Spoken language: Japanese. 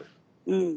うん。